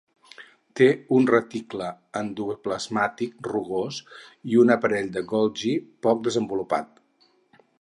Té un reticle endoplasmàtic rugós i un aparell de Golgi poc desenvolupat.